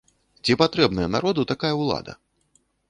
Ці патрэбная народу такая ўлада?